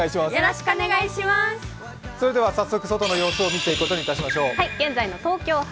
早速外の様子を見ていくことにいたしましょう。